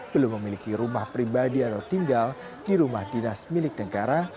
belum memiliki rumah pribadi atau tinggal di rumah dinas milik negara